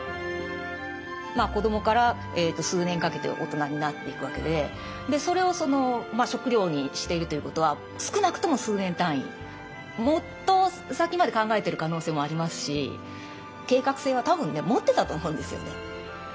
子どもから数年かけて大人になっていくわけでそれを食料にしているということは少なくとも数年単位もっと先まで考えてる可能性もありますし計画性は多分持ってたと思うんですよね。